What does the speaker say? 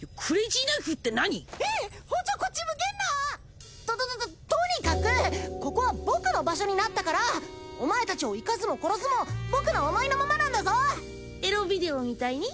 ヒイッ包丁こっち向けんな！ととととっとにかくここは僕の場所になったからお前達を生かすも殺すも僕の思いのままなんだぞエロビデオみたいに？